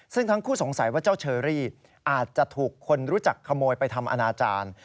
ซึ่งทั้งคู่สงสัยว่าเจ้าเชอรี่อาจจะถูกคนรู้จักขโมยไปทำอนาจารย์